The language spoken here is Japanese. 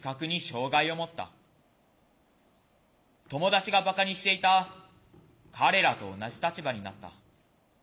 友達がばかにしていた彼らと同じ立場になった。